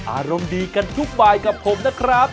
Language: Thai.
อารมณ์ดีกันทุกบายกับผมนะครับ